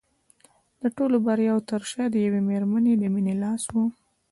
د ټولو د بریاوو تر شا د یوې مېرمنې د مینې لاس و